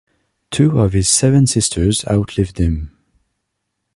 Two of his seven sisters outlived him.